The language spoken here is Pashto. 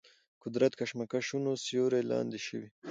قدرت کشمکشونو سیوري لاندې شوي.